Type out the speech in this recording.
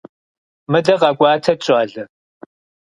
Мыдэ къэкӀуатэт, щӀалэ.